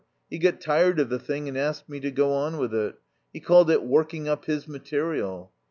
He got tired of the thing and asked me to go on with it. He called it working up his material.